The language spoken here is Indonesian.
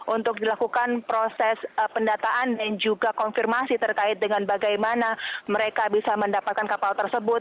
untuk dilakukan proses pendataan dan juga konfirmasi terkait dengan bagaimana mereka bisa mendapatkan kapal tersebut